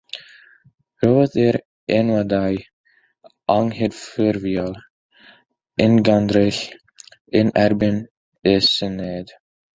Roedd yr enwadau anghydffurfiol yn gandryll yn erbyn y syniad.